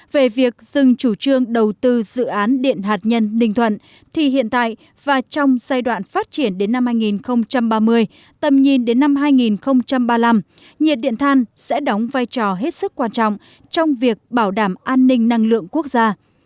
về việc dừng chủ trương đầu tư dự án điện hạt nhân ninh thuận thì hiện tại và trong giai đoạn phát triển đến năm hai nghìn ba mươi tầm nhìn đến năm hai nghìn ba mươi năm nhiệt điện than sẽ đóng vai trò hết sức quan trọng trong việc bảo đảm an ninh năng lượng quốc gia